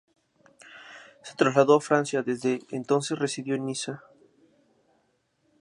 Se trasladó a Francia, desde entonces residió en Niza.